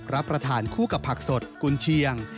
รับประทานคู่กับผักสดกุญเชียง